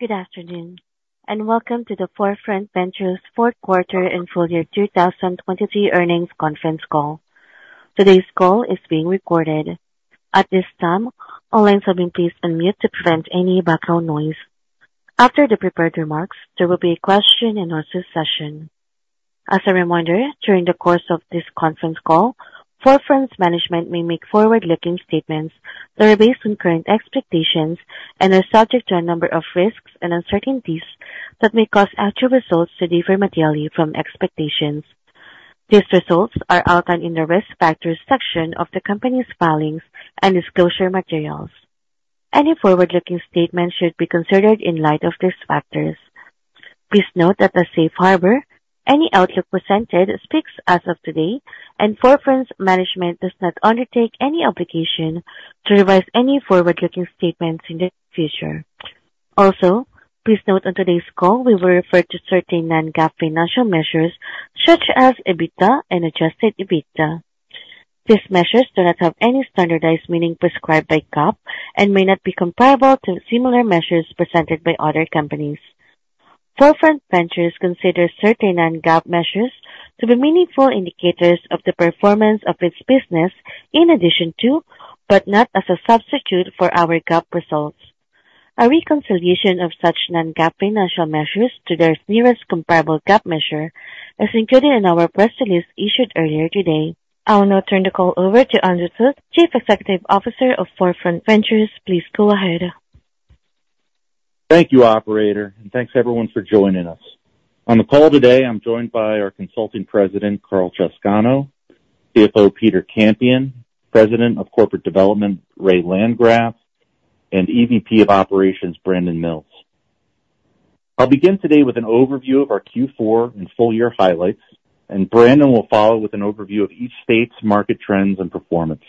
Good afternoon and welcome to the 4Front Ventures Fourth Quarter and Full Year 2023 Earnings Conference Call. Today's call is being recorded. At this time, all lines have been placed on mute to prevent any background noise. After the prepared remarks, there will be a question-and-answer session. As a reminder, during the course of this conference call, 4Front's management may make forward-looking statements that are based on current expectations and are subject to a number of risks and uncertainties that may cause actual results to differ materially from expectations. These risks are outlined in the Risk Factors section of the company's filings and disclosure materials. Any forward-looking statement should be considered in light of these factors. Please note that, as a safe harbor, any outlook presented speaks as of today, and 4Front's management does not undertake any obligation to revise any forward-looking statements in the future. Also, please note on today's call we will refer to certain non-GAAP financial measures such as EBITDA and Adjusted EBITDA. These measures do not have any standardized meaning prescribed by GAAP and may not be comparable to similar measures presented by other companies. 4Front Ventures considers certain non-GAAP measures to be meaningful indicators of the performance of its business in addition to, but not as a substitute for our GAAP results. A reconciliation of such non-GAAP financial measures to their nearest comparable GAAP measure is included in our press release issued earlier today. I will now turn the call over to Andrew Thut, Chief Executive Officer of 4Front Ventures. Please go ahead. Thank you, operator, and thanks everyone for joining us. On the call today, I'm joined by our Consulting President, Karl Chowscano, CFO, Peter Kampian, President of Corporate Development, Ray Landgraf, and EVP of Operations, Brandon Mills. I'll begin today with an overview of our Q4 and full year highlights, and Brandon will follow with an overview of each state's market trends and performance.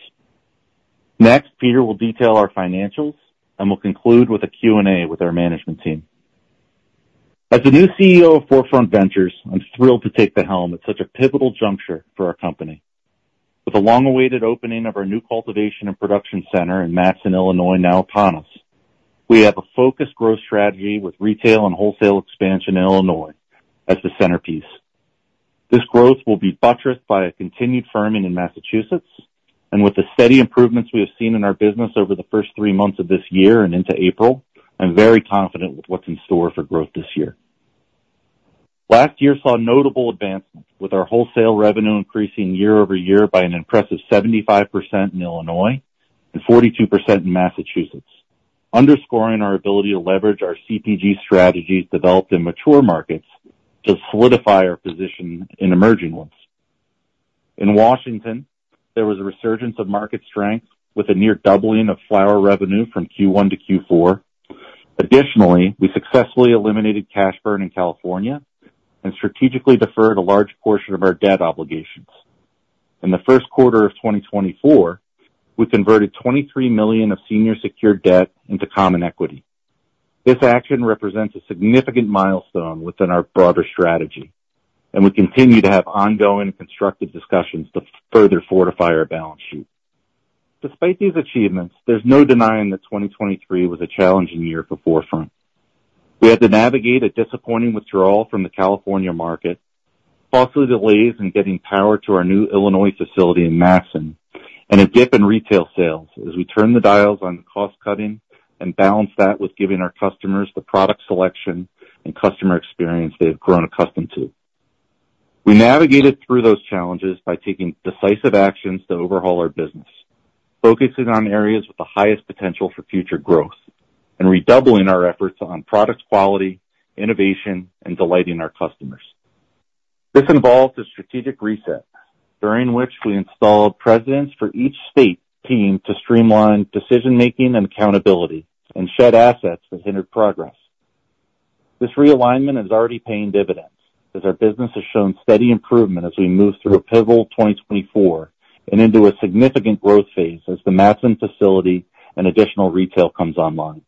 Next, Peter will detail our financials and will conclude with a Q&A with our management team. As the new CEO of 4Front Ventures, I'm thrilled to take the helm at such a pivotal juncture for our company. With the long-awaited opening of our new cultivation and production center in Matteson, Illinois, now upon us, we have a focused growth strategy with retail and wholesale expansion in Illinois as the centerpiece. This growth will be buttressed by a continued firming in Massachusetts, and with the steady improvements we have seen in our business over the first three months of this year and into April, I'm very confident with what's in store for growth this year. Last year saw notable advancements, with our wholesale revenue increasing year-over-year by an impressive 75% in Illinois and 42% in Massachusetts, underscoring our ability to leverage our CPG strategies developed in mature markets to solidify our position in emerging ones. In Washington, there was a resurgence of market strength with a near doubling of flower revenue from Q1 to Q4. Additionally, we successfully eliminated cash burn in California and strategically deferred a large portion of our debt obligations. In the first quarter of 2024, we converted $23 million of senior secured debt into common equity. This action represents a significant milestone within our broader strategy, and we continue to have ongoing and constructive discussions to further fortify our balance sheet. Despite these achievements, there's no denying that 2023 was a challenging year for 4Front. We had to navigate a disappointing withdrawal from the California market, possibly delays in getting power to our new Illinois facility in Madison, and a dip in retail sales as we turned the dials on cost cutting and balanced that with giving our customers the product selection and customer experience they have grown accustomed to. We navigated through those challenges by taking decisive actions to overhaul our business, focusing on areas with the highest potential for future growth, and redoubling our efforts on product quality, innovation, and delighting our customers. This involved a strategic reset during which we installed presidents for each state team to streamline decision-making and accountability and shed assets that hindered progress. This realignment is already paying dividends as our business has shown steady improvement as we move through a pivotal 2024 and into a significant growth phase as the Madison facility and additional retail comes online.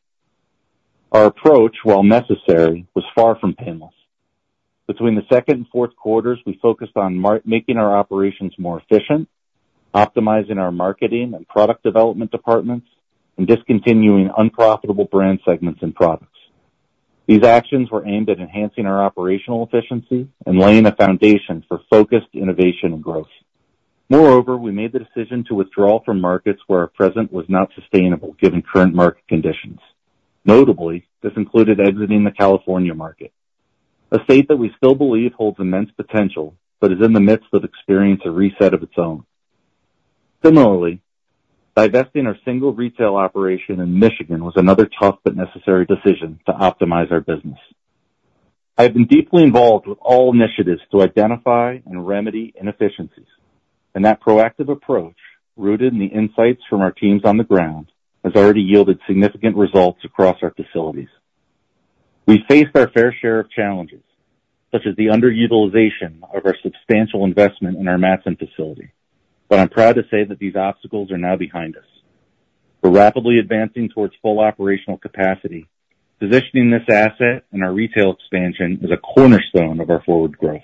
Our approach, while necessary, was far from painless. Between the second and fourth quarters, we focused on making our operations more efficient, optimizing our marketing and product development departments, and discontinuing unprofitable brand segments and products. These actions were aimed at enhancing our operational efficiency and laying a foundation for focused innovation and growth. Moreover, we made the decision to withdraw from markets where our presence was not sustainable given current market conditions. Notably, this included exiting the California market, a state that we still believe holds immense potential but is in the midst of experiencing a reset of its own. Similarly, divesting our single retail operation in Michigan was another tough but necessary decision to optimize our business. I have been deeply involved with all initiatives to identify and remedy inefficiencies, and that proactive approach, rooted in the insights from our teams on the ground, has already yielded significant results across our facilities. We faced our fair share of challenges, such as the underutilization of our substantial investment in our Madison facility, but I'm proud to say that these obstacles are now behind us. We're rapidly advancing towards full operational capacity. Positioning this asset and our retail expansion is a cornerstone of our forward growth.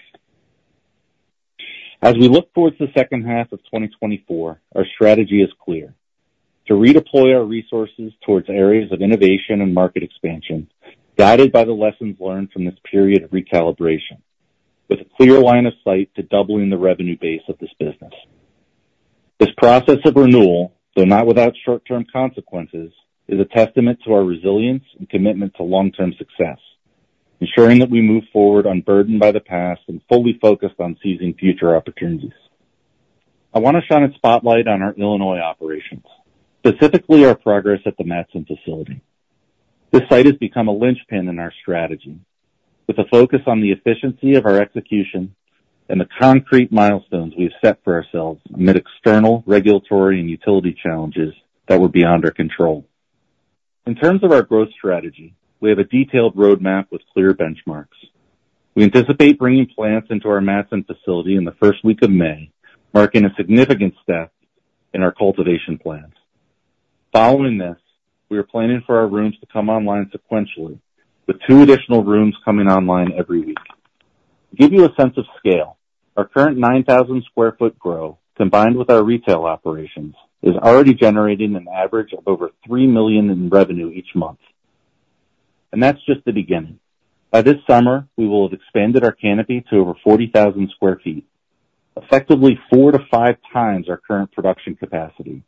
As we look towards the second half of 2024, our strategy is clear: to redeploy our resources towards areas of innovation and market expansion, guided by the lessons learned from this period of recalibration, with a clear line of sight to doubling the revenue base of this business. This process of renewal, though not without short-term consequences, is a testament to our resilience and commitment to long-term success, ensuring that we move forward unburdened by the past and fully focused on seizing future opportunities. I want to shine a spotlight on our Illinois operations, specifically our progress at the Madison facility. This site has become a linchpin in our strategy, with a focus on the efficiency of our execution and the concrete milestones we have set for ourselves amid external, regulatory, and utility challenges that were beyond our control. In terms of our growth strategy, we have a detailed roadmap with clear benchmarks. We anticipate bringing plants into our Madison facility in the first week of May, marking a significant step in our cultivation plans. Following this, we are planning for our rooms to come online sequentially, with two additional rooms coming online every week. To give you a sense of scale, our current 9,000 sq ft growth, combined with our retail operations, is already generating an average of over $3 million in revenue each month. That's just the beginning. By this summer, we will have expanded our canopy to over 40,000 sq ft, effectively 4-5x our current production capacity,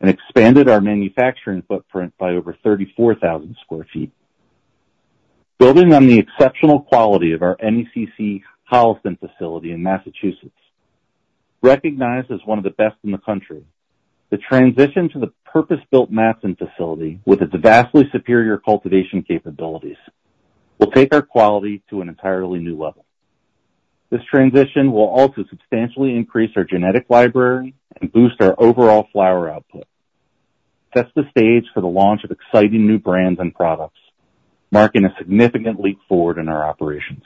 and expanded our manufacturing footprint by over 34,000 sq ft. Building on the exceptional quality of our NECC Holliston facility in Massachusetts, recognized as one of the best in the country, the transition to the purpose-built Madison facility with its vastly superior cultivation capabilities will take our quality to an entirely new level. This transition will also substantially increase our genetic library and boost our overall flower output. That's the stage for the launch of exciting new brands and products, marking a significant leap forward in our operations.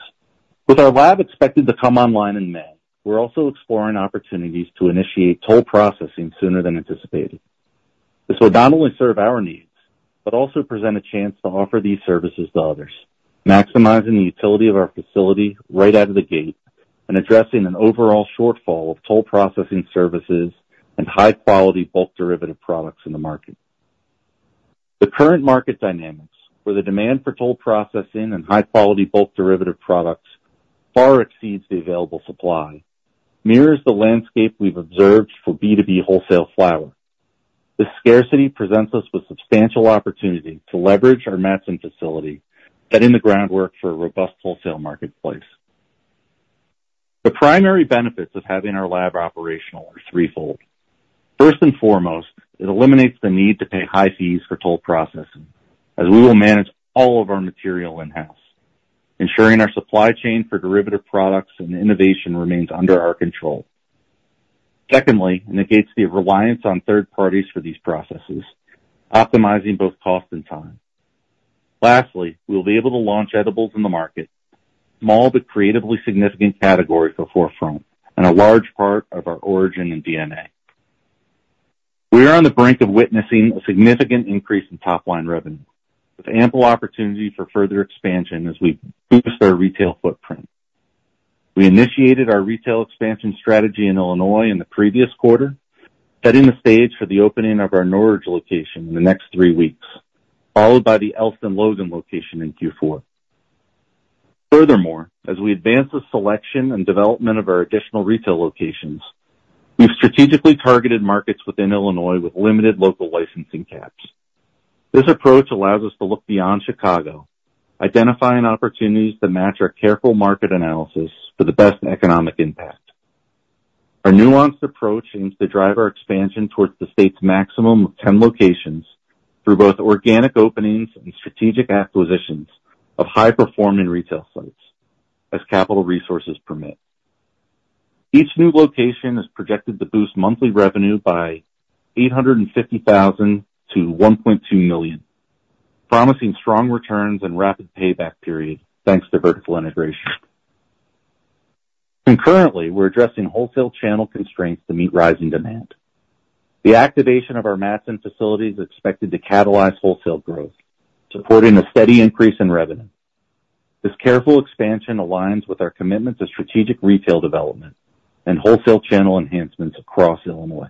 With our lab expected to come online in May, we're also exploring opportunities to initiate toll processing sooner than anticipated. This will not only serve our needs but also present a chance to offer these services to others, maximizing the utility of our facility right out of the gate and addressing an overall shortfall of toll processing services and high-quality bulk derivative products in the market. The current market dynamics, where the demand for toll processing and high-quality bulk derivative products far exceeds the available supply, mirrors the landscape we've observed for B2B wholesale flower. This scarcity presents us with substantial opportunity to leverage our Madison facility to lay the groundwork for a robust wholesale marketplace. The primary benefits of having our lab operational are threefold. First and foremost, it eliminates the need to pay high fees for toll processing, as we will manage all of our material in-house, ensuring our supply chain for derivative products and innovation remains under our control. Secondly, it negates the reliance on third parties for these processes, optimizing both cost and time. Lastly, we will be able to launch edibles in the market, a small but creatively significant category for 4Front and a large part of our origin and DNA. We are on the brink of witnessing a significant increase in top-line revenue, with ample opportunity for further expansion as we boost our retail footprint. We initiated our retail expansion strategy in Illinois in the previous quarter, setting the stage for the opening of our Norridge location in the next three weeks, followed by the Elston-Logan location in Q4. Furthermore, as we advance the selection and development of our additional retail locations, we've strategically targeted markets within Illinois with limited local licensing caps. This approach allows us to look beyond Chicago, identifying opportunities to match our careful market analysis for the best economic impact. Our nuanced approach aims to drive our expansion towards the state's maximum of 10 locations through both organic openings and strategic acquisitions of high-performing retail sites, as capital resources permit. Each new location is projected to boost monthly revenue by $850,000-$1.2 million, promising strong returns and rapid payback periods thanks to vertical integration. Concurrently, we're addressing wholesale channel constraints to meet rising demand. The activation of our Madison facility is expected to catalyze wholesale growth, supporting a steady increase in revenue. This careful expansion aligns with our commitment to strategic retail development and wholesale channel enhancements across Illinois.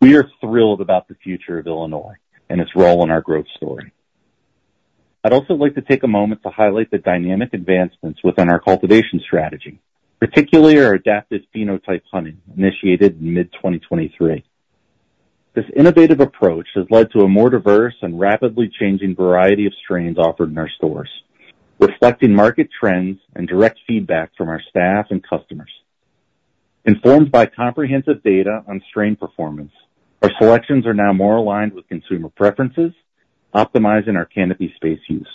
We are thrilled about the future of Illinois and its role in our growth story. I'd also like to take a moment to highlight the dynamic advancements within our cultivation strategy, particularly our adaptive phenotype hunting initiated in mid-2023. This innovative approach has led to a more diverse and rapidly changing variety of strains offered in our stores, reflecting market trends and direct feedback from our staff and customers. Informed by comprehensive data on strain performance, our selections are now more aligned with consumer preferences, optimizing our canopy space use.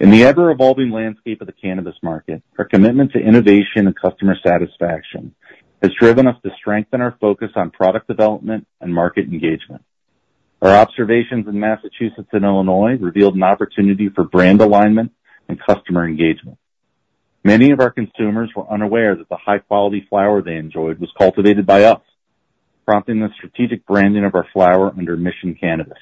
In the ever-evolving landscape of the cannabis market, our commitment to innovation and customer satisfaction has driven us to strengthen our focus on product development and market engagement. Our observations in Massachusetts and Illinois revealed an opportunity for brand alignment and customer engagement. Many of our consumers were unaware that the high-quality flower they enjoyed was cultivated by us, prompting the strategic branding of our flower under Mission Cannabis.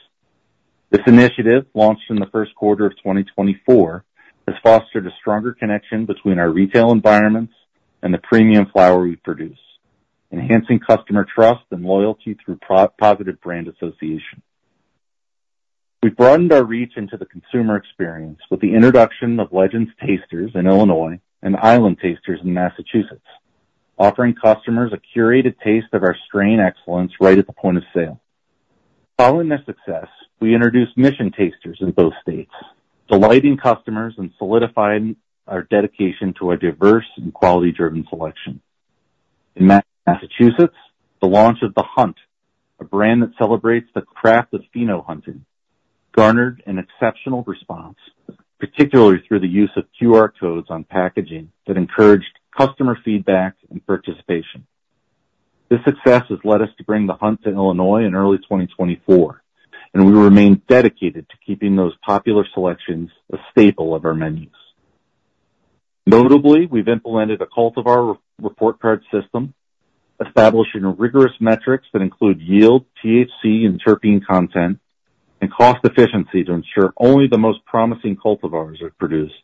This initiative, launched in the first quarter of 2024, has fostered a stronger connection between our retail environments and the premium flower we produce, enhancing customer trust and loyalty through positive brand association. We've broadened our reach into the consumer experience with the introduction of Legends Tasters in Illinois and Island Tasters in Massachusetts, offering customers a curated taste of our strain excellence right at the point of sale. Following this success, we introduced Mission Tasters in both states, delighting customers and solidifying our dedication to a diverse and quality-driven selection. In Massachusetts, the launch of The Hunt, a brand that celebrates the craft of pheno-hunting, garnered an exceptional response, particularly through the use of QR codes on packaging that encouraged customer feedback and participation. This success has led us to bring The Hunt to Illinois in early 2024, and we remain dedicated to keeping those popular selections a staple of our menus. Notably, we've implemented a cultivar report card system, establishing rigorous metrics that include yield, THC, and terpene content, and cost efficiency to ensure only the most promising cultivars are produced.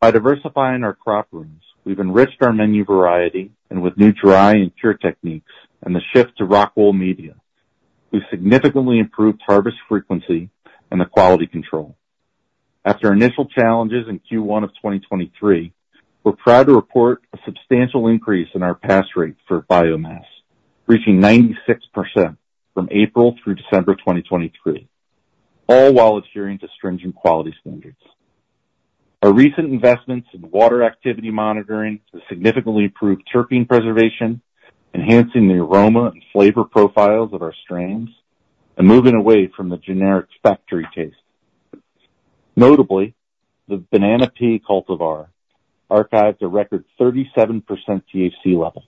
By diversifying our crop rooms, we've enriched our menu variety and, with new dry and cure techniques and the shift to Rockwool media, we've significantly improved harvest frequency and the quality control. After initial challenges in Q1 of 2023, we're proud to report a substantial increase in our pass rate for biomass, reaching 96% from April through December 2023, all while adhering to stringent quality standards. Our recent investments in water activity monitoring have significantly improved terpene preservation, enhancing the aroma and flavor profiles of our strains, and moving away from the generic factory taste. Notably, the Banana P cultivar achieved a record 37% THC level,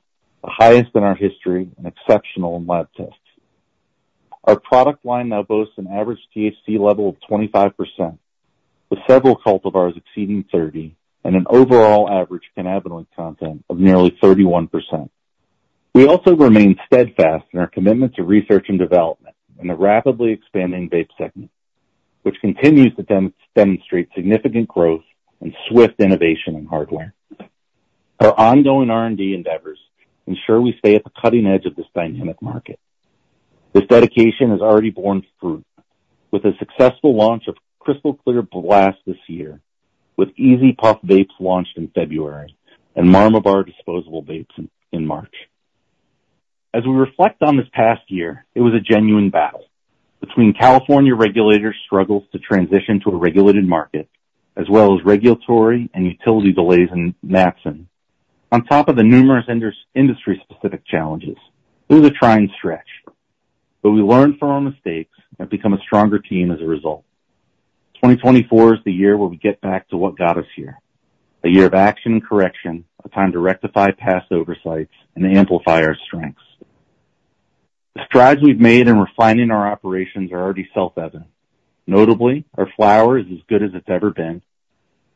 the highest in our history and exceptional in lab tests. Our product line now boasts an average THC level of 25%, with several cultivars exceeding 30% and an overall average cannabinoid content of nearly 31%. We also remain steadfast in our commitment to research and development in the rapidly expanding vape segment, which continues to demonstrate significant growth and swift innovation in hardware. Our ongoing R&D endeavors ensure we stay at the cutting edge of this dynamic market. This dedication has already borne fruit, with a successful launch of Crystal Clear Blast this year, with EZ Puff vapes launched in February and Marma Bar disposable vapes in March. As we reflect on this past year, it was a genuine battle between California regulators' struggles to transition to a regulated market, as well as regulatory and utility delays in Madison, on top of the numerous industry-specific challenges. It was a try and stretch, but we learned from our mistakes and have become a stronger team as a result. 2024 is the year where we get back to what got us here: a year of action and correction, a time to rectify past oversights, and amplify our strengths. The strides we've made in refining our operations are already self-evident. Notably, our flower is as good as it's ever been.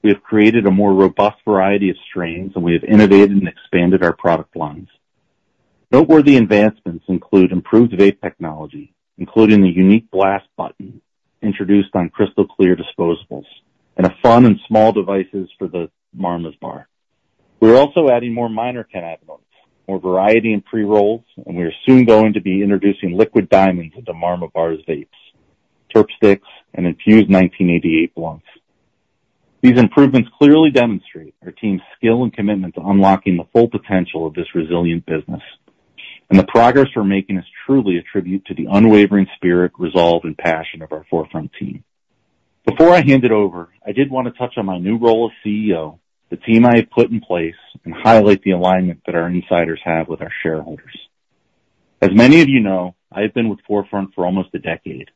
We have created a more robust variety of strains, and we have innovated and expanded our product lines. Noteworthy advancements include improved vape technology, including the unique blast button introduced on Crystal Clear disposables and fun and small devices for the Marma Bar. We're also adding more minor cannabinoids, more variety in pre-rolls, and we are soon going to be introducing liquid diamonds into Marma Bar's vapes, Terp Stix, and infused 1988 blunts. These improvements clearly demonstrate our team's skill and commitment to unlocking the full potential of this resilient business, and the progress we're making is truly a tribute to the unwavering spirit, resolve, and passion of our 4Front team. Before I hand it over, I did want to touch on my new role as CEO, the team I have put in place, and highlight the alignment that our insiders have with our shareholders. As many of you know, I have been with 4Front for almost a decade,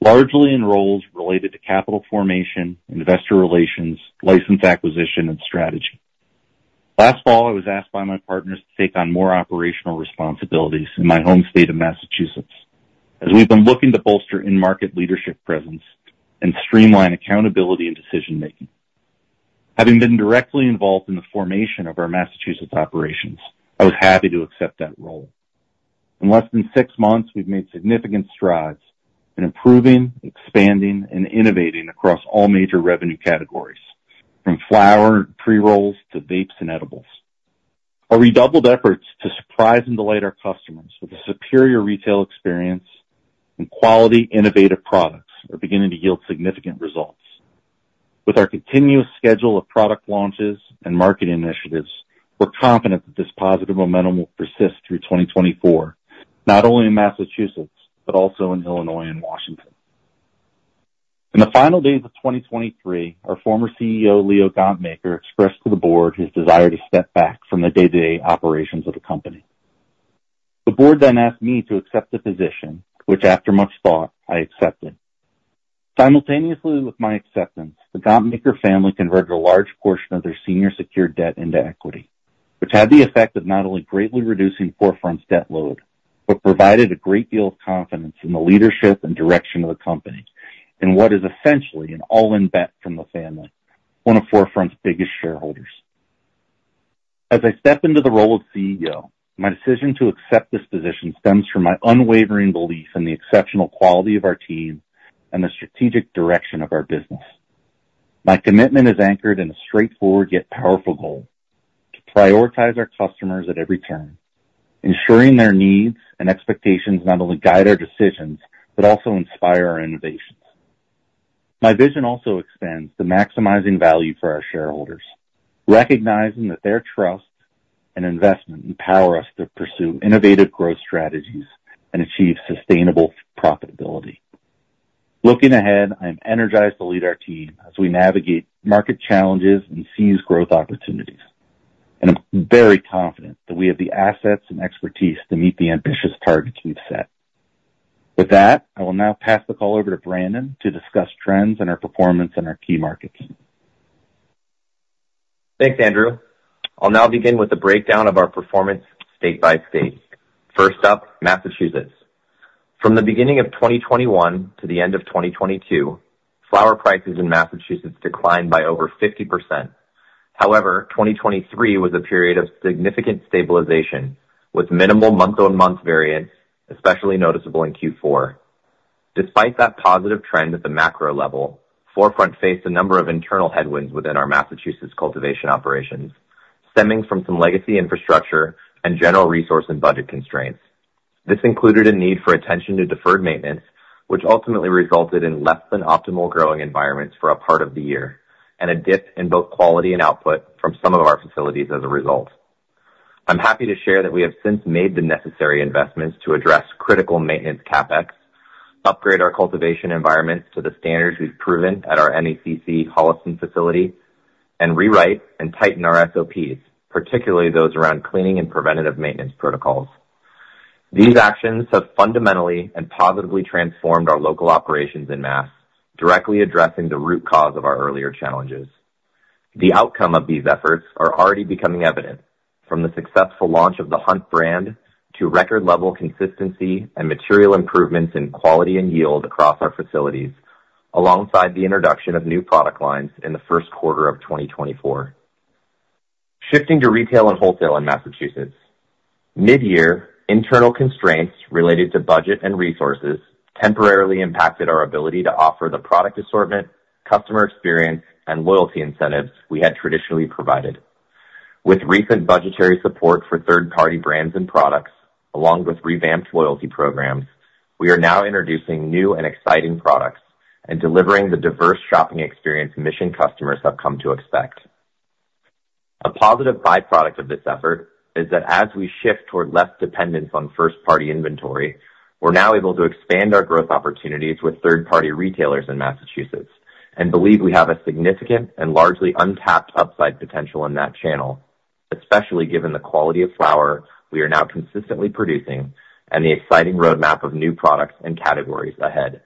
largely in roles related to capital formation, investor relations, license acquisition, and strategy. Last fall, I was asked by my partners to take on more operational responsibilities in my home state of Massachusetts, as we've been looking to bolster in-market leadership presence and streamline accountability and decision-making. Having been directly involved in the formation of our Massachusetts operations, I was happy to accept that role. In less than six months, we've made significant strides in improving, expanding, and innovating across all major revenue categories, from flower pre-rolls to vapes and edibles. Our redoubled efforts to surprise and delight our customers with a superior retail experience and quality, innovative products are beginning to yield significant results. With our continuous schedule of product launches and marketing initiatives, we're confident that this positive momentum will persist through 2024, not only in Massachusetts but also in Illinois and Washington. In the final days of 2023, our former CEO, Leo Gontmakher, expressed to the board his desire to step back from the day-to-day operations of the company. The board then asked me to accept the position, which, after much thought, I accepted. Simultaneously with my acceptance, the Gontmakher family converted a large portion of their senior secured debt into equity, which had the effect of not only greatly reducing 4Front's debt load but provided a great deal of confidence in the leadership and direction of the company and what is essentially an all-in bet from the family, one of 4Front's biggest shareholders. As I step into the role of CEO, my decision to accept this position stems from my unwavering belief in the exceptional quality of our team and the strategic direction of our business. My commitment is anchored in a straightforward yet powerful goal: to prioritize our customers at every turn, ensuring their needs and expectations not only guide our decisions but also inspire our innovations. My vision also extends to maximizing value for our shareholders, recognizing that their trust and investment empower us to pursue innovative growth strategies and achieve sustainable profitability. Looking ahead, I am energized to lead our team as we navigate market challenges and seize growth opportunities, and I'm very confident that we have the assets and expertise to meet the ambitious targets we've set. With that, I will now pass the call over to Brandon to discuss trends in our performance in our key markets. Thanks, Andrew. I'll now begin with a breakdown of our performance state by state. First up, Massachusetts. From the beginning of 2021 to the end of 2022, flower prices in Massachusetts declined by over 50%. However, 2023 was a period of significant stabilization, with minimal month-on-month variance, especially noticeable in Q4. Despite that positive trend at the macro level, 4Front faced a number of internal headwinds within our Massachusetts cultivation operations, stemming from some legacy infrastructure and general resource and budget constraints. This included a need for attention to deferred maintenance, which ultimately resulted in less than optimal growing environments for a part of the year and a dip in both quality and output from some of our facilities as a result. I'm happy to share that we have since made the necessary investments to address critical maintenance CapEx, upgrade our cultivation environments to the standards we've proven at our NECC Holliston facility, and rewrite and tighten our SOPs, particularly those around cleaning and preventative maintenance protocols. These actions have fundamentally and positively transformed our local operations en masse, directly addressing the root cause of our earlier challenges. The outcome of these efforts is already becoming evident, from the successful launch of The Hunt brand to record-level consistency and material improvements in quality and yield across our facilities, alongside the introduction of new product lines in the first quarter of 2024. Shifting to retail and wholesale in Massachusetts. Mid-year, internal constraints related to budget and resources temporarily impacted our ability to offer the product assortment, customer experience, and loyalty incentives we had traditionally provided. With recent budgetary support for third-party brands and products, along with revamped loyalty programs, we are now introducing new and exciting products and delivering the diverse shopping experience Mission customers have come to expect. A positive byproduct of this effort is that as we shift toward less dependence on first-party inventory, we're now able to expand our growth opportunities with third-party retailers in Massachusetts and believe we have a significant and largely untapped upside potential in that channel, especially given the quality of flower we are now consistently producing and the exciting roadmap of new products and categories ahead.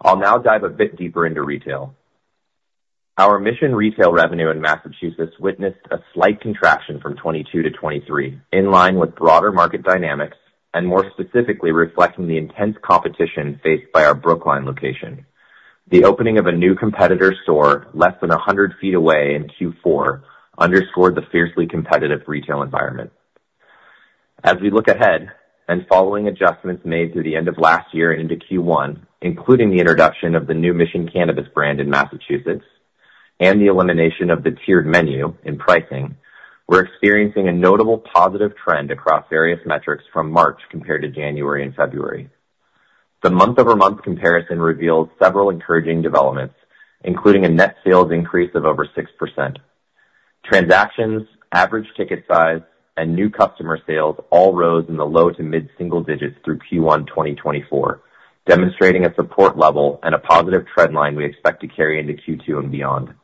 I'll now dive a bit deeper into retail. Our Mission retail revenue in Massachusetts witnessed a slight contraction from 2022 to 2023, in line with broader market dynamics and more specifically reflecting the intense competition faced by our Brookline location. The opening of a new competitor store less than 100 ft away in Q4 underscored the fiercely competitive retail environment. As we look ahead and following adjustments made through the end of last year and into Q1, including the introduction of the new Mission Cannabis brand in Massachusetts and the elimination of the tiered menu in pricing, we're experiencing a notable positive trend across various metrics from March compared to January and February. The month-over-month comparison reveals several encouraging developments, including a net sales increase of over 6%. Transactions, average ticket size, and new customer sales all rose in the low to mid-single digits through Q1 2024, demonstrating a support level and a positive trend line we expect to carry into Q2 and beyond.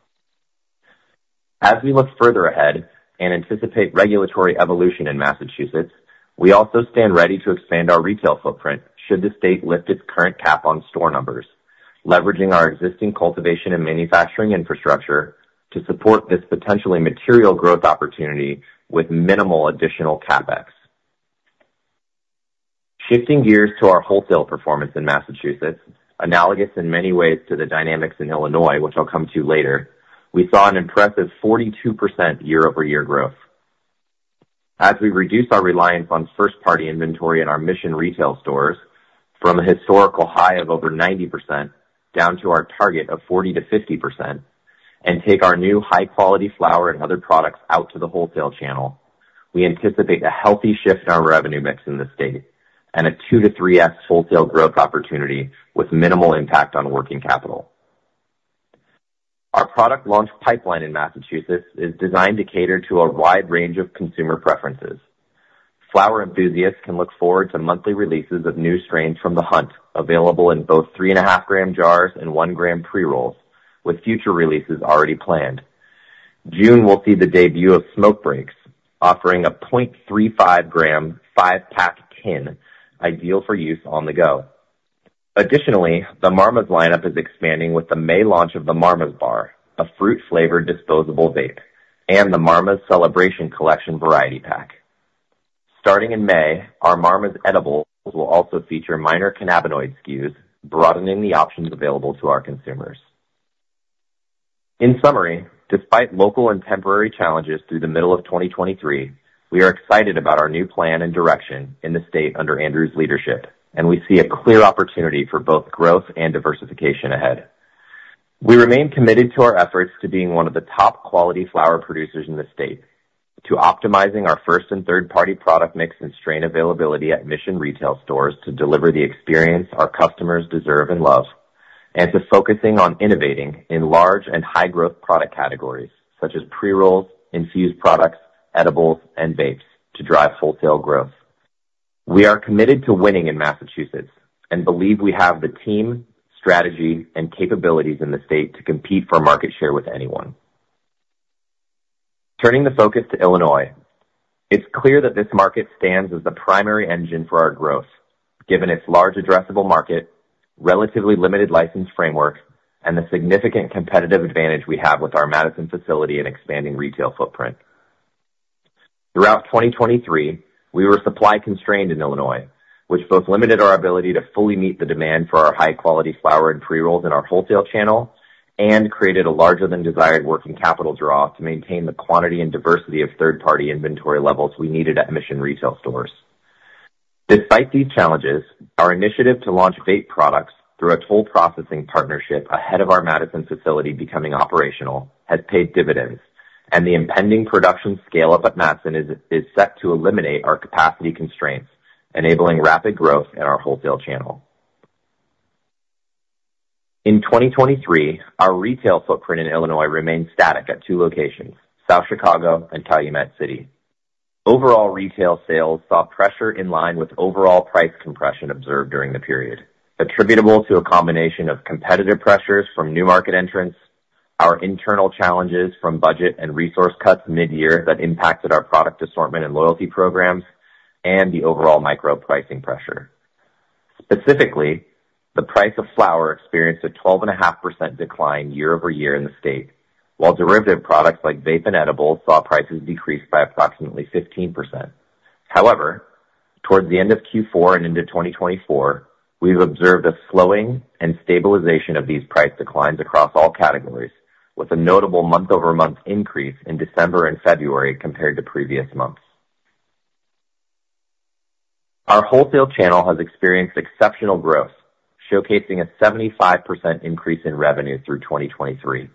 As we look further ahead and anticipate regulatory evolution in Massachusetts, we also stand ready to expand our retail footprint should the state lift its current cap on store numbers, leveraging our existing cultivation and manufacturing infrastructure to support this potentially material growth opportunity with minimal additional CapEx. Shifting gears to our wholesale performance in Massachusetts, analogous in many ways to the dynamics in Illinois, which I'll come to later, we saw an impressive 42% year-over-year growth. As we reduce our reliance on first-party inventory in our Mission retail stores from a historical high of over 90% down to our target of 40%-50% and take our new high-quality flower and other products out to the wholesale channel, we anticipate a healthy shift in our revenue mix in the state and a 2-3x wholesale growth opportunity with minimal impact on working capital. Our product launch pipeline in Massachusetts is designed to cater to a wide range of consumer preferences. Flower enthusiasts can look forward to monthly releases of new strains from The Hunt, available in both 3.5-gram jars and 1-gram pre-rolls, with future releases already planned. June, we'll see the debut of Smoke Breaks, offering a 0.35-gram, 5-pack tin, ideal for use on the go. Additionally, the Marmas lineup is expanding with the May launch of the Marma Bar, a fruit-flavored disposable vape, and the Marmas Celebration Collection variety pack. Starting in May, our Marmas edibles will also feature minor cannabinoid skews, broadening the options available to our consumers. In summary, despite local and temporary challenges through the middle of 2023, we are excited about our new plan and direction in the state under Andrew's leadership, and we see a clear opportunity for both growth and diversification ahead. We remain committed to our efforts to being one of the top-quality flower producers in the state, to optimizing our first and third-party product mix and strain availability at Mission retail stores to deliver the experience our customers deserve and love, and to focusing on innovating in large and high-growth product categories such as pre-rolls, infused products, edibles, and vapes to drive wholesale growth. We are committed to winning in Massachusetts and believe we have the team, strategy, and capabilities in the state to compete for market share with anyone. Turning the focus to Illinois. It's clear that this market stands as the primary engine for our growth, given its large addressable market, relatively limited license framework, and the significant competitive advantage we have with our Madison facility and expanding retail footprint. Throughout 2023, we were supply-constrained in Illinois, which both limited our ability to fully meet the demand for our high-quality flower and pre-rolls in our wholesale channel and created a larger-than-desired working capital draw to maintain the quantity and diversity of third-party inventory levels we needed at Mission retail stores. Despite these challenges, our initiative to launch vape products through a toll processing partnership ahead of our Madison facility becoming operational has paid dividends, and the impending production scale-up at Madison is set to eliminate our capacity constraints, enabling rapid growth in our wholesale channel. In 2023, our retail footprint in Illinois remained static at two locations: South Chicago and Calumet City. Overall retail sales saw pressure in line with overall price compression observed during the period, attributable to a combination of competitive pressures from new market entrants, our internal challenges from budget and resource cuts mid-year that impacted our product assortment and loyalty programs, and the overall micro pricing pressure. Specifically, the price of flower experienced a 12.5% decline year-over-year in the state, while derivative products like vape and edibles saw prices decrease by approximately 15%. However, towards the end of Q4 and into 2024, we've observed a slowing and stabilization of these price declines across all categories, with a notable month-over-month increase in December and February compared to previous months. Our wholesale channel has experienced exceptional growth, showcasing a 75% increase in revenue through 2023.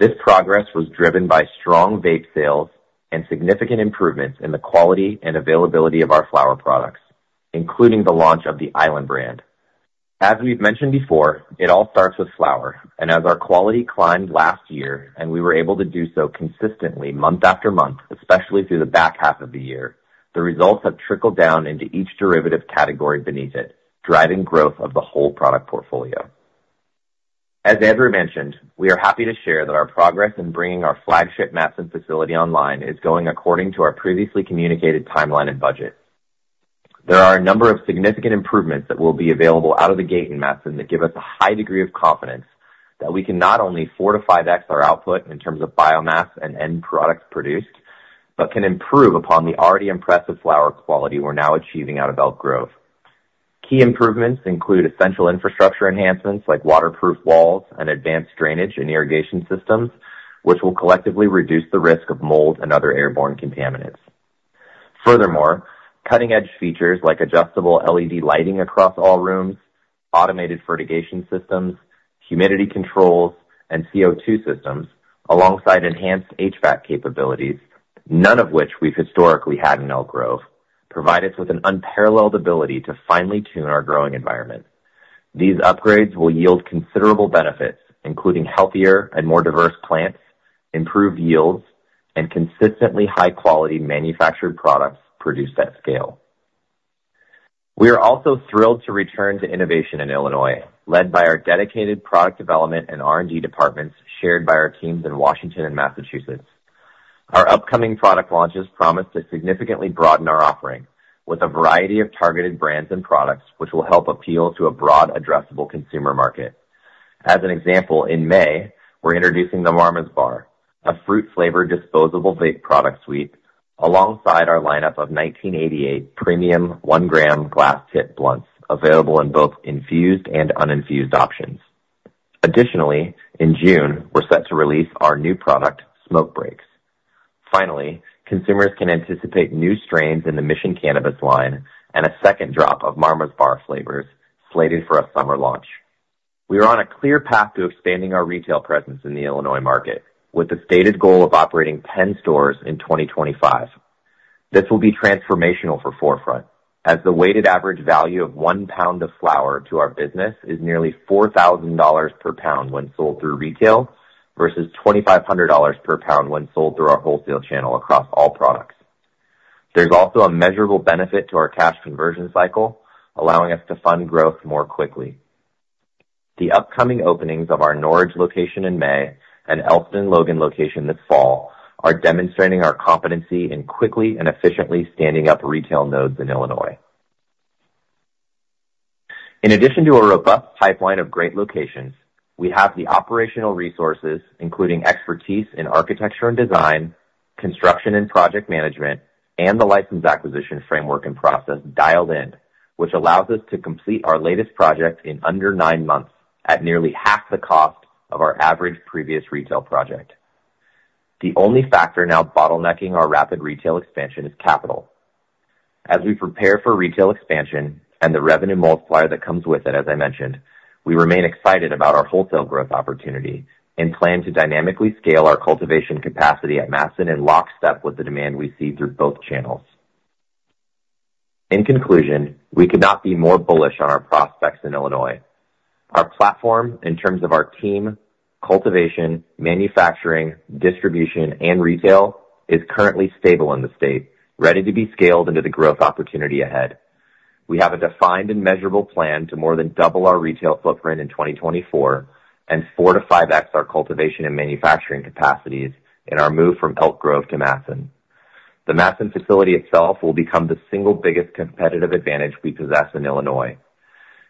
This progress was driven by strong vape sales and significant improvements in the quality and availability of our flower products, including the launch of the Island brand. As we've mentioned before, it all starts with flower, and as our quality climbed last year and we were able to do so consistently month after month, especially through the back half of the year, the results have trickled down into each derivative category beneath it, driving growth of the whole product portfolio. As Andrew mentioned, we are happy to share that our progress in bringing our flagship Madison facility online is going according to our previously communicated timeline and budget. There are a number of significant improvements that will be available out of the gate in Madison that give us a high degree of confidence that we can not only fortify our output in terms of biomass and end products produced but can improve upon the already impressive flower quality we're now achieving out of Elk Grove. Key improvements include essential infrastructure enhancements like waterproof walls and advanced drainage and irrigation systems, which will collectively reduce the risk of mold and other airborne contaminants. Furthermore, cutting-edge features like adjustable LED lighting across all rooms, automated fertigation systems, humidity controls, and CO2 systems, alongside enhanced HVAC capabilities, none of which we've historically had in Elk Grove, provide us with an unparalleled ability to finely tune our growing environment. These upgrades will yield considerable benefits, including healthier and more diverse plants, improved yields, and consistently high-quality manufactured products produced at scale. We are also thrilled to return to innovation in Illinois, led by our dedicated product development and R&D departments shared by our teams in Washington and Massachusetts. Our upcoming product launches promise to significantly broaden our offering, with a variety of targeted brands and products which will help appeal to a broad addressable consumer market. As an example, in May, we're introducing the Marma Bar, a fruit-flavored disposable vape product suite, alongside our lineup of 1988 premium 1-gram glass-tip blunts available in both infused and uninfused options. Additionally, in June, we're set to release our new product, Smoke Breaks. Finally, consumers can anticipate new strains in the Mission Cannabis line and a second drop of Marma Bar flavors slated for a summer launch. We are on a clear path to expanding our retail presence in the Illinois market, with the stated goal of operating 10 stores in 2025. This will be transformational for 4Front, as the weighted average value of 1 lb of flower to our business is nearly $4,000 per lb when sold through retail versus $2,500 per lb when sold through our wholesale channel across all products. There's also a measurable benefit to our cash conversion cycle, allowing us to fund growth more quickly. The upcoming openings of our Norridge location in May and Elston-Logan location this fall are demonstrating our competency in quickly and efficiently standing up retail nodes in Illinois. In addition to a robust pipeline of great locations, we have the operational resources, including expertise in architecture and design, construction and project management, and the license acquisition framework and process dialed in, which allows us to complete our latest project in under nine months at nearly half the cost of our average previous retail project. The only factor now bottlenecking our rapid retail expansion is capital. As we prepare for retail expansion and the revenue multiplier that comes with it, as I mentioned, we remain excited about our wholesale growth opportunity and plan to dynamically scale our cultivation capacity at Madison in lockstep with the demand we see through both channels. In conclusion, we could not be more bullish on our prospects in Illinois. Our platform, in terms of our team, cultivation, manufacturing, distribution, and retail, is currently stable in the state, ready to be scaled into the growth opportunity ahead. We have a defined and measurable plan to more than double our retail footprint in 2024 and 4-5x our cultivation and manufacturing capacities in our move from Elk Grove to Madison. The Madison facility itself will become the single biggest competitive advantage we possess in Illinois,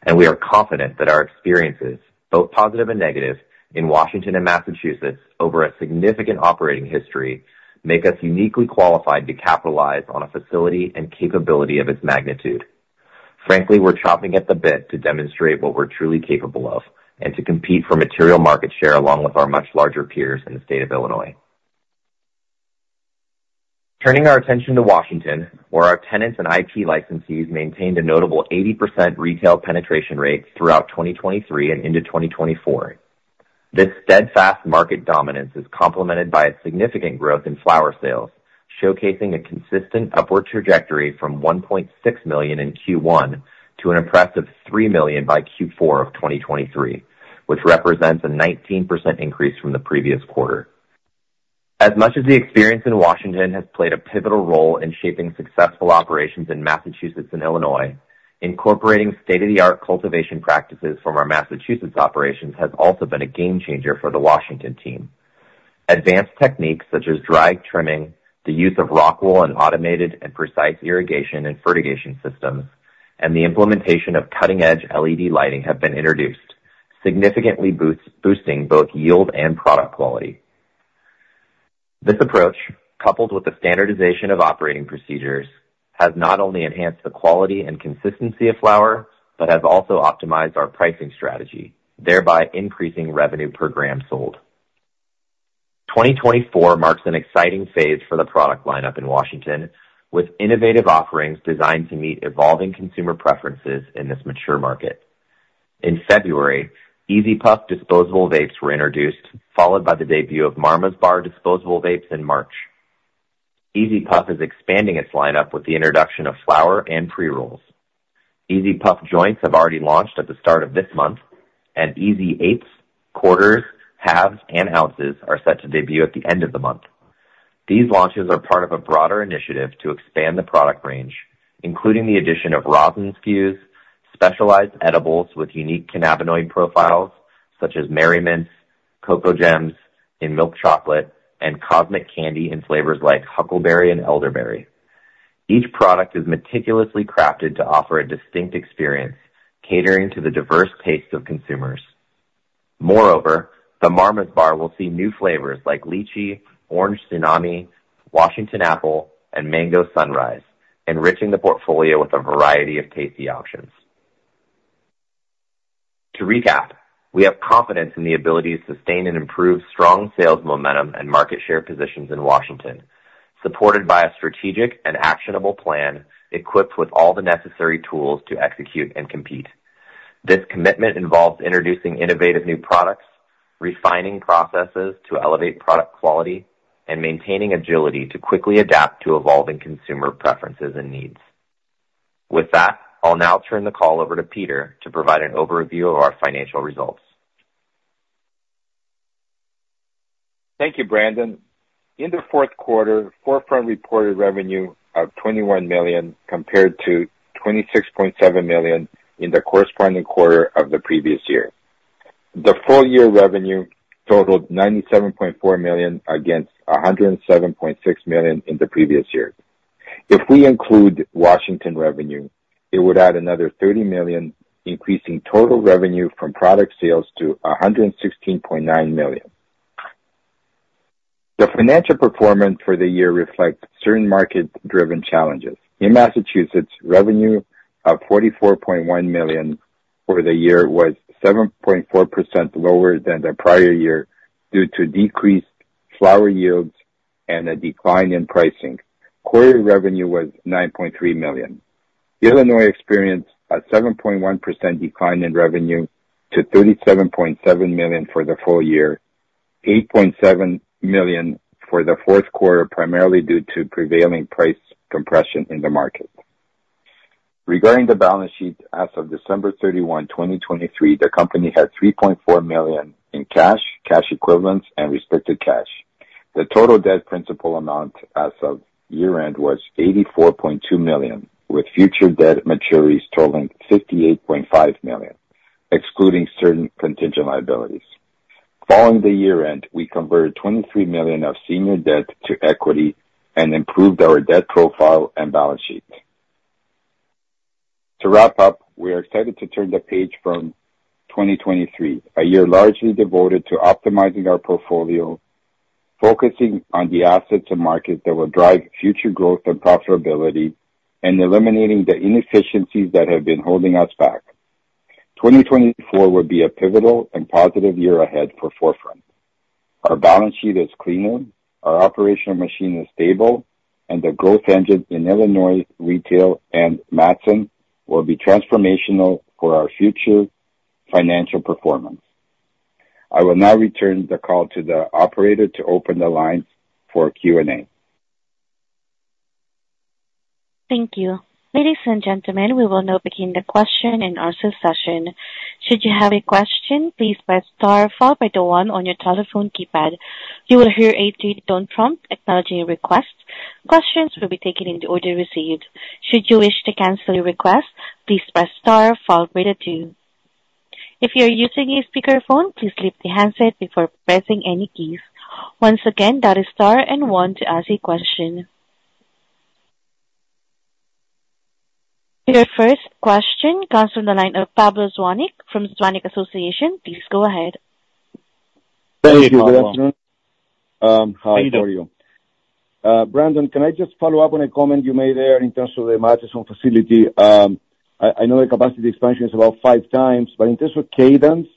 and we are confident that our experiences, both positive and negative, in Washington and Massachusetts over a significant operating history make us uniquely qualified to capitalize on a facility and capability of its magnitude. Frankly, we're chomping at the bit to demonstrate what we're truly capable of and to compete for material market share along with our much larger peers in the state of Illinois. Turning our attention to Washington, where our tenants and IP licensees maintained a notable 80% retail penetration rate throughout 2023 and into 2024. This steadfast market dominance is complemented by a significant growth in flower sales, showcasing a consistent upward trajectory from $1.6 million in Q1 to an impressive $3 million by Q4 of 2023, which represents a 19% increase from the previous quarter. As much as the experience in Washington has played a pivotal role in shaping successful operations in Massachusetts and Illinois, incorporating state-of-the-art cultivation practices from our Massachusetts operations has also been a game-changer for the Washington team. Advanced techniques such as dry trimming, the use of Rockwool and automated and precise irrigation and fertigation systems, and the implementation of cutting-edge LED lighting have been introduced, significantly boosting both yield and product quality. This approach, coupled with the standardization of operating procedures, has not only enhanced the quality and consistency of flower but has also optimized our pricing strategy, thereby increasing revenue per gram sold. 2024 marks an exciting phase for the product lineup in Washington, with innovative offerings designed to meet evolving consumer preferences in this mature market. In February, EZ Puff disposable vapes were introduced, followed by the debut of Marma Bar disposable vapes in March. EZ Puff is expanding its lineup with the introduction of flower and pre-rolls. EZ Puff joints have already launched at the start of this month, and EZ Eights, Quarters, Halves, and Ounces are set to debut at the end of the month. These launches are part of a broader initiative to expand the product range, including the addition of Rosin skews, specialized edibles with unique cannabinoid profiles such as Mari Mints, Koko Gemz in milk chocolate, and Cosmic Candy in flavors like Huckleberry and Elderberry. Each product is meticulously crafted to offer a distinct experience, catering to the diverse tastes of consumers. Moreover, the Marma Bar will see new flavors like Lychee, Orange Tsunami, Washington Apple, and Mango Sunrise, enriching the portfolio with a variety of tasty options. To recap, we have confidence in the ability to sustain and improve strong sales momentum and market share positions in Washington, supported by a strategic and actionable plan equipped with all the necessary tools to execute and compete. This commitment involves introducing innovative new products, refining processes to elevate product quality, and maintaining agility to quickly adapt to evolving consumer preferences and needs. With that, I'll now turn the call over to Peter to provide an overview of our financial results. Thank you, Brandon. In the fourth quarter, 4Front reported revenue of $21 million compared to $26.7 million in the corresponding quarter of the previous year. The full-year revenue totaled $97.4 million against $107.6 million in the previous year. If we include Washington revenue, it would add another $30 million, increasing total revenue from product sales to $116.9 million. The financial performance for the year reflects certain market-driven challenges. In Massachusetts, revenue of $44.1 million for the year was 7.4% lower than the prior year due to decreased flower yields and a decline in pricing. Quarter revenue was $9.3 million. Illinois experienced a 7.1% decline in revenue to $37.7 million for the full year, $8.7 million for the fourth quarter primarily due to prevailing price compression in the market. Regarding the balance sheet, as of December 31, 2023, the company had $3.4 million in cash, cash equivalents, and restricted cash. The total debt principal amount as of year-end was $84.2 million, with future debt maturities totaling $58.5 million, excluding certain contingent liabilities. Following the year-end, we converted $23 million of senior debt to equity and improved our debt profile and balance sheet. To wrap up, we are excited to turn the page from 2023, a year largely devoted to optimizing our portfolio, focusing on the assets and markets that will drive future growth and profitability, and eliminating the inefficiencies that have been holding us back. 2024 will be a pivotal and positive year ahead for 4Front. Our balance sheet is cleaner, our operational machine is stable, and the growth engine in Illinois retail and Madison will be transformational for our future financial performance. I will now return the call to the operator to open the lines for Q&A. Thank you. Ladies and gentlemen, we will now begin the question and answer session. Should you have a question, please press star followed by the one on your telephone keypad. You will hear a three-tone prompt acknowledging your request. Questions will be taken in the order received. Should you wish to cancel your request, please press star followed by the two. If you are using a speakerphone, please leave the handset before pressing any keys. Once again, that is star and one to ask a question. Your first question comes from the line of Pablo Zuanic from Zuanic & Associates. Please go ahead. Hey, Pablo. Hey, good afternoon. How are you? How are you doing? Brandon, can I just follow up on a comment you made there in terms of the Madison facility? I know the capacity expansion is about 5x, but in terms of cadence,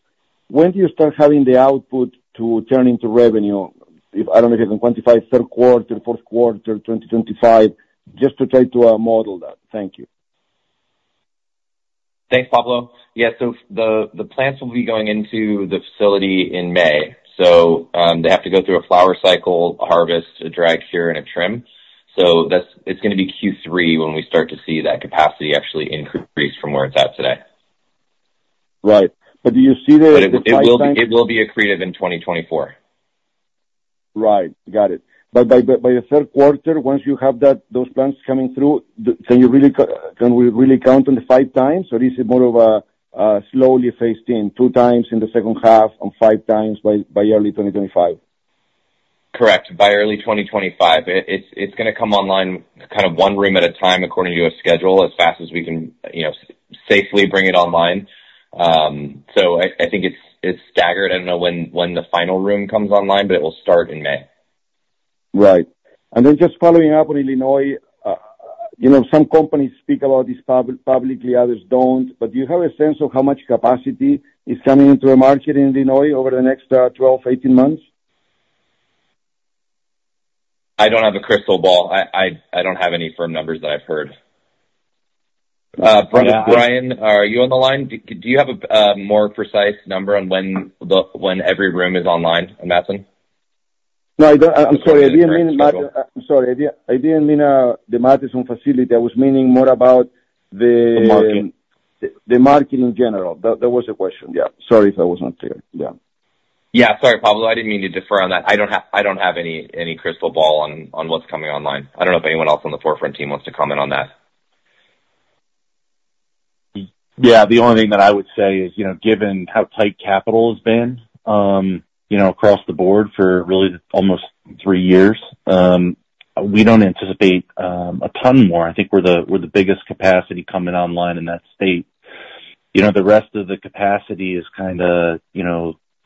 when do you start having the output to turn into revenue? I don't know if you can quantify third quarter, fourth quarter, 2025, just to try to model that. Thank you. Thanks, Pablo. Yeah, so the plants will be going into the facility in May. So they have to go through a flower cycle, a harvest, a dry cure, and a trim. So it's going to be Q3 when we start to see that capacity actually increase from where it's at today. Right. But do you see the timeline? But it will be accretive in 2024. Right. Got it. But by the third quarter, once you have those plants coming through, can we really count on the 5x? Or is it more of a slowly phased in, 2x in the second half and 5x by early 2025? Correct. By early 2025, it's going to come online kind of one room at a time according to a schedule as fast as we can safely bring it online. I think it's staggered. I don't know when the final room comes online, but it will start in May. Right. And then just following up on Illinois, some companies speak about this publicly, others don't. But do you have a sense of how much capacity is coming into the market in Illinois over the next 12-18 months? I don't have a crystal ball. I don't have any firm numbers that I've heard. Brandon, are you on the line? Do you have a more precise number on when every room is online in Madison? No, I'm sorry. I didn't mean Madison. The market. I'm sorry. I didn't mean the Madison facility. I was meaning more about the. The market. The market in general. That was the question. Yeah. Sorry if I was not clear. Yeah. Yeah. Sorry, Pablo. I didn't mean to defer on that. I don't have any crystal ball on what's coming online. I don't know if anyone else on the 4Front team wants to comment on that. Yeah. The only thing that I would say is, given how tight capital has been across the board for really almost three years, we don't anticipate a ton more. I think we're the biggest capacity coming online in that state. The rest of the capacity is kind of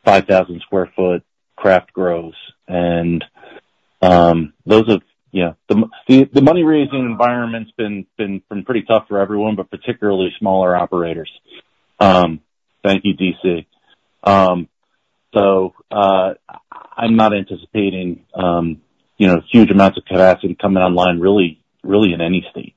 5,000 sq ft craft growth. And those of the money-raising environment's been pretty tough for everyone, but particularly smaller operators. Thank you, D.C. So I'm not anticipating huge amounts of capacity coming online really in any state.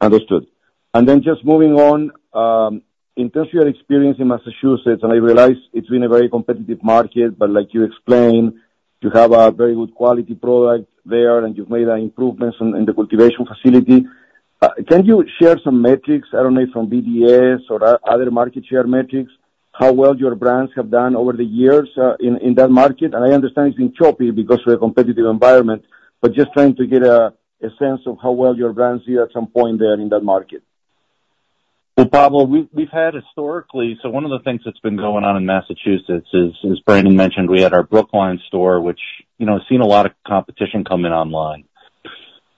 Understood. Then just moving on, in terms of your experience in Massachusetts, and I realize it's been a very competitive market, but like you explained, you have a very good quality product there and you've made improvements in the cultivation facility. Can you share some metrics? I don't know if from BDS or other market share metrics, how well your brands have done over the years in that market? And I understand it's been choppy because of the competitive environment, but just trying to get a sense of how well your brands did at some point there in that market. Well, Pablo, we've had historically so one of the things that's been going on in Massachusetts, as Brandon mentioned, we had our Brookline store, which has seen a lot of competition come in online.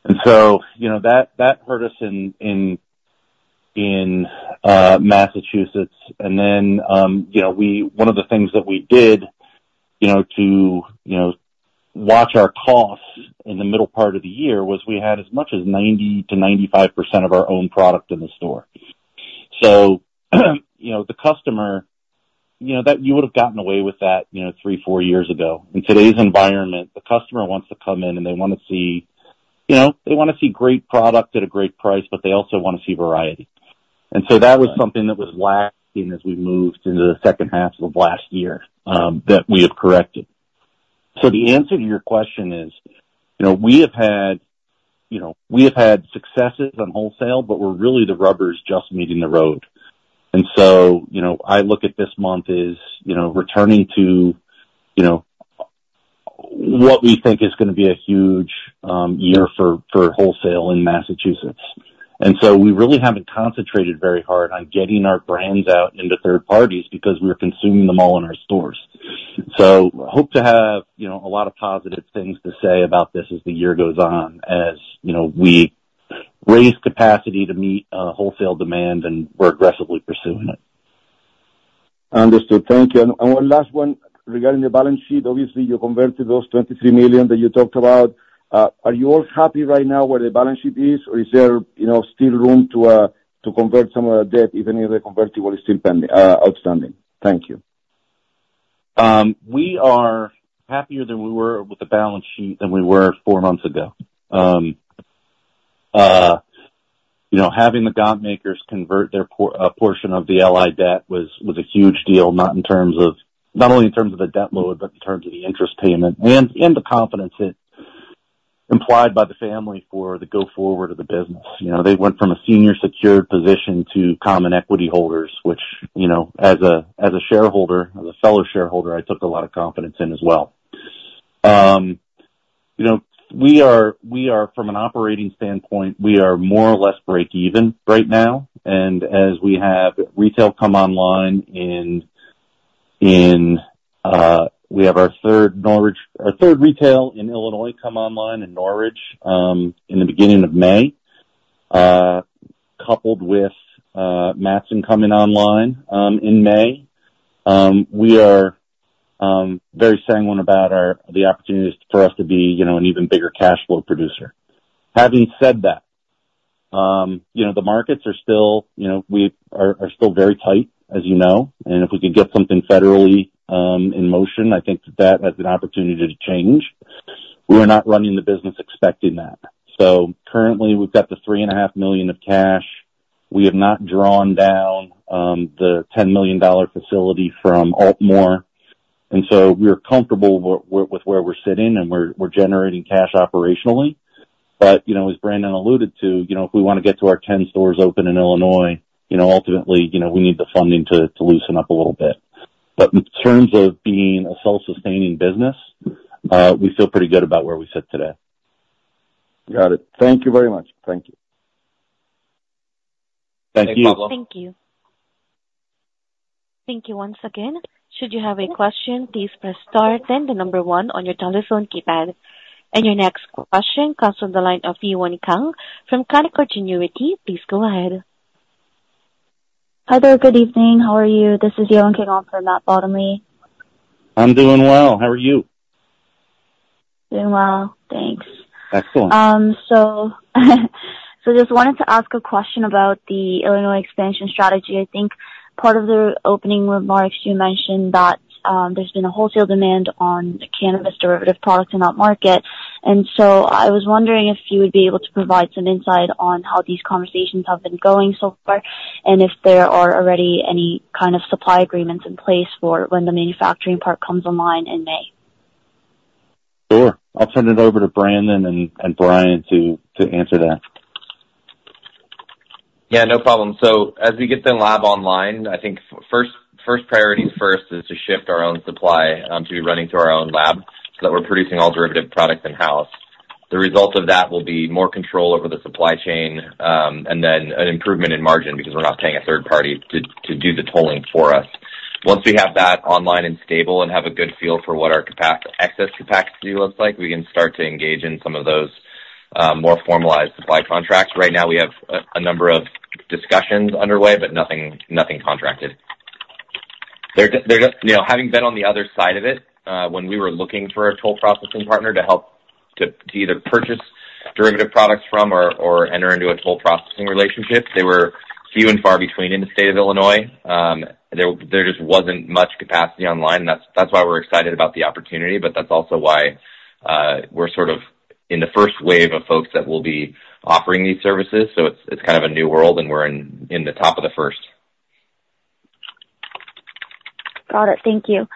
And so that hurt us in Massachusetts. And then one of the things that we did to watch our costs in the middle part of the year was we had as much as 90%-95% of our own product in the store. So the customer, you would have gotten away with that three, four years ago. In today's environment, the customer wants to come in and they want to see they want to see great product at a great price, but they also want to see variety. And so that was something that was lacking as we moved into the second half of last year that we have corrected. So the answer to your question is, we have had successes on wholesale, but we're really the rubber just meeting the road. And so I look at this month as returning to what we think is going to be a huge year for wholesale in Massachusetts. And so we really haven't concentrated very hard on getting our brands out into third parties because we're consuming them all in our stores. So I hope to have a lot of positive things to say about this as the year goes on, as we raise capacity to meet wholesale demand and we're aggressively pursuing it. Understood. Thank you. And one last one. Regarding the balance sheet, obviously, you converted those $23 million that you talked about. Are you all happy right now where the balance sheet is, or is there still room to convert some of the debt, if any of the convertible is still outstanding? Thank you. We are happier than we were with the balance sheet than we were four months ago. Having the Gontmakhers convert their portion of the LI debt was a huge deal, not only in terms of the debt load, but in terms of the interest payment and the confidence implied by the family for the go-forward of the business. They went from a senior secured position to common equity holders, which, as a shareholder, as a fellow shareholder, I took a lot of confidence in as well. From an operating standpoint, we are more or less break-even right now. And as we have retail come online in we have our third retail in Illinois come online in Norridge in the beginning of May, coupled with Madison coming online in May, we are very sanguine about the opportunities for us to be an even bigger cash flow producer. Having said that, the markets are still, we are still very tight, as you know. And if we could get something federally in motion, I think that that has an opportunity to change. We are not running the business expecting that. So currently, we've got $3.5 million of cash. We have not drawn down the $10 million facility from Altmore. And so we're comfortable with where we're sitting, and we're generating cash operationally. But as Brandon alluded to, if we want to get to our 10 stores open in Illinois, ultimately, we need the funding to loosen up a little bit. But in terms of being a self-sustaining business, we feel pretty good about where we sit today. Got it. Thank you very much. Thank you. Thank you. Hey, Pablo. Thank you. Thank you once again. Should you have a question, please press star. Then the number one on your telephone keypad. And your next question comes from the line of Yewon Kang from Canaccord Genuity. Please go ahead. Hi there. Good evening. How are you? This is Yewon Kang from Matt Bottomley. I'm doing well. How are you? Doing well. Thanks. Excellent. So just wanted to ask a question about the Illinois expansion strategy. I think part of the opening remarks, you mentioned that there's been a wholesale demand on cannabis derivative products in that market. And so I was wondering if you would be able to provide some insight on how these conversations have been going so far and if there are already any kind of supply agreements in place for when the manufacturing part comes online in May? Sure. I'll send it over to Brandon and Brian to answer that. Yeah, no problem. So as we get the lab online, I think first priorities first is to shift our own supply to be running through our own lab so that we're producing all derivative products in-house. The result of that will be more control over the supply chain and then an improvement in margin because we're not paying a third party to do the tolling for us. Once we have that online and stable and have a good feel for what our excess capacity looks like, we can start to engage in some of those more formalized supply contracts. Right now, we have a number of discussions underway, but nothing contracted. Having been on the other side of it, when we were looking for a toll processing partner to either purchase derivative products from or enter into a toll processing relationship, they were few and far between in the state of Illinois. There just wasn't much capacity online. That's why we're excited about the opportunity. That's also why we're sort of in the first wave of folks that will be offering these services. It's kind of a new world, and we're in the top of the first. Got it. Thank you.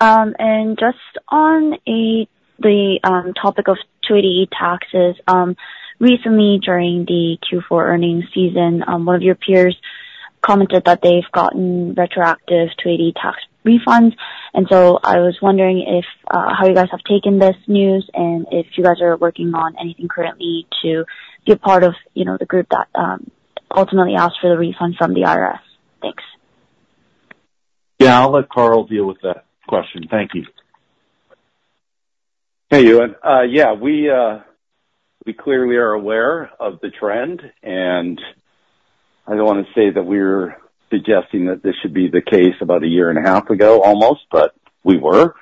Just on the topic of 280E taxes, recently during the Q4 earnings season, one of your peers commented that they've gotten retroactive 280E tax refunds. I was wondering how you guys have taken this news and if you guys are working on anything currently to be a part of the group that ultimately asked for the refund from the IRS. Thanks. Yeah. I'll let Karl deal with that question. Thank you. Hey, Yewon. Yeah, we clearly are aware of the trend. I don't want to say that we're suggesting that this should be the case about a year and a half ago almost, but we were.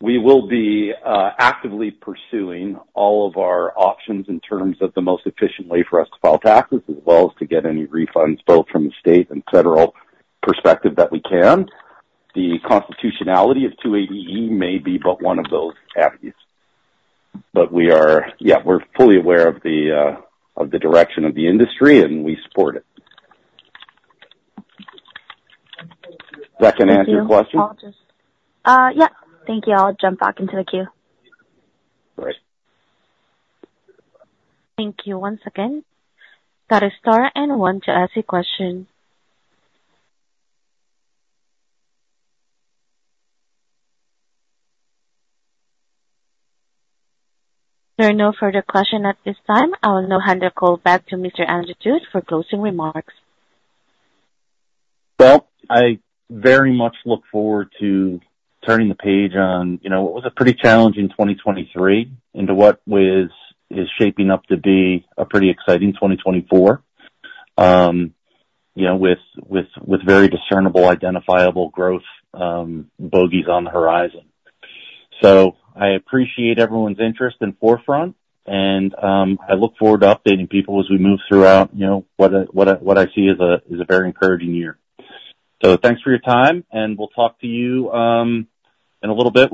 We will be actively pursuing all of our options in terms of the most efficient way for us to file taxes as well as to get any refunds both from the state and federal perspective that we can. The constitutionality of 280E may be but one of those avenues. But yeah, we're fully aware of the direction of the industry, and we support it. Does that answer your question? Yeah. Thank you. I'll jump back into the queue. Great. Thank you. One second. To ask a question, press star one. There are no further questions at this time. I will now hand the call back to Mr. Andrew Thut for closing remarks. Well, I very much look forward to turning the page on what was a pretty challenging 2023 into what is shaping up to be a pretty exciting 2024 with very discernible, identifiable growth bogeys on the horizon. So I appreciate everyone's interest in 4Front, and I look forward to updating people as we move throughout what I see as a very encouraging year. So thanks for your time, and we'll talk to you in a little bit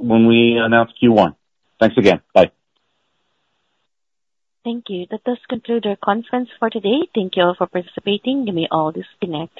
when we announce Q1. Thanks again. Bye. Thank you. That does conclude our conference for today. Thank you all for participating. You may all disconnect.